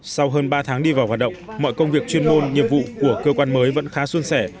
sau hơn ba tháng đi vào hoạt động mọi công việc chuyên môn nghiệp vụ của cơ quan mới vẫn khá xuân sẻ